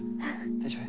大丈夫？